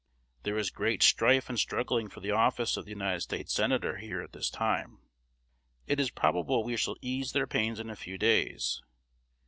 There is great strife and struggling for the office of the United States Senator here at this time. It is probable we shall ease their pains in a few days.